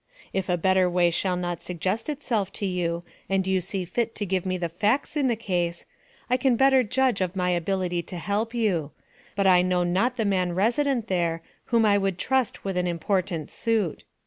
If a better way shall not suggest itself to you, and you see fit to give me the facts in the case, I can better judge of my ability to help you; but I know not the man resident there, whom I would trust with an important suit.